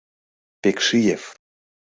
— Пекшиев!